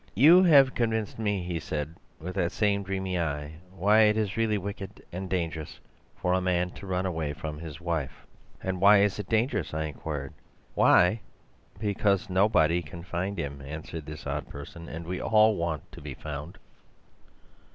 "'You have convinced me,' he said with the same dreamy eye, 'why it is really wicked and dangerous for a man to run away from his wife.' "'And why is it dangerous?' I inquired. "'Why, because nobody can find him,' answered this odd person, 'and we all want to be found.